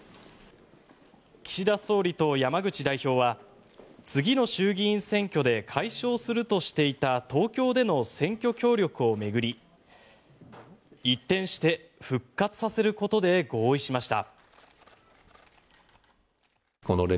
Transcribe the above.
岸田総理と山口代表は次の衆議院選挙で解消するとしていた東京での選挙協力を巡り一転して、復活させることで合意しました。